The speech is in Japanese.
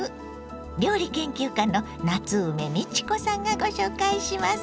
料理研究家の夏梅美智子さんがご紹介します。